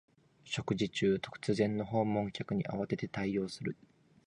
食事中、突然の訪問客に慌てて対応する